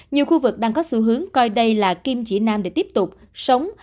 nhiều khu vực đang có xu hướng coi đây là kim chỉ nam để tiếp tục sống